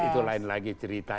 itu lain lagi cerita